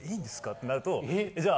ってなるとじゃあ。